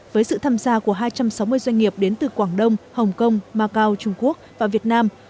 với sự tham gia của hai trăm sáu mươi doanh nghiệp đến từ quảng đông hồng kông macau trung quốc và việt nam